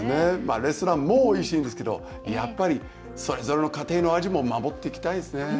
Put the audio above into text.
レストランもおいしいんですけどやっぱりそれぞれの家庭の味も守っていきたいですね。